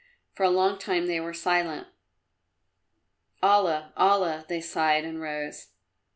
For a long time they were silent. "Allah! Allah!" they sighed and rose.